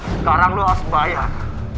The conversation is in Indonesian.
sekarang lu harus bayar